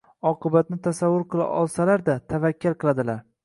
oqibatini tasavvur qila olsalar-da, tavakkal qiladilar.